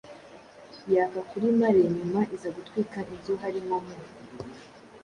yaka kuri mare nyuma iza gutwika inzu hari nko mu